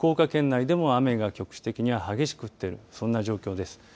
それから福岡県内でも雨が局地的に激しく降っているそんな状況です。